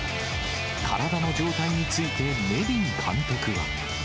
体の状態について、ネビン監督は。